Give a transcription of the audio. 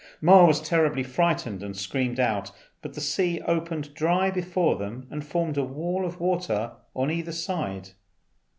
Ma was terribly frightened and screamed out; but the sea opened dry before them and formed a wall of water on either side.